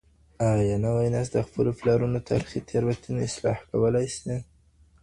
آيا نوی نسل د خپلو پلرونو تاريخي تېروتني اصلاح کولای سي؟